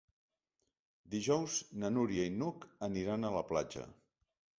Dijous na Núria i n'Hug aniran a la platja.